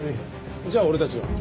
じゃあ俺たちは東。